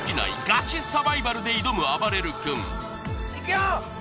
ガチサバイバルで挑むあばれる君いくよ・